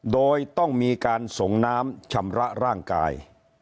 โดยต้องมีการส่งน้ำชำระร่างกาย